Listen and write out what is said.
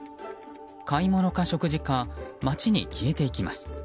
買い物か食事か街に消えていきます。